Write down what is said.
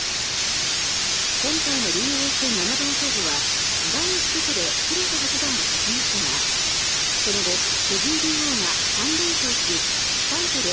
今回の竜王戦七番勝負は第１局で広瀬八段が勝ちましたがその後、藤井竜王が３連勝しタイトル